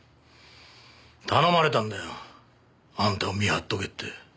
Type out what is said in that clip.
頼まれたんだよ。あんたを見張っとけって。